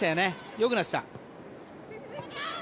よくなってきた。